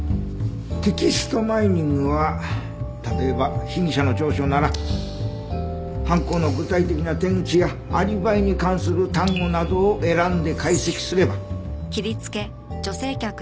テキストマイニングは例えば被疑者の調書なら犯行の具体的な手口やアリバイに関する単語などを選んで解析すれば。